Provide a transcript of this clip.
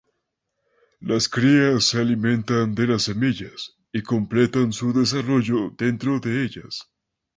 Las crías se alimentan de las semillas y completan su desarrollo dentro de ellas.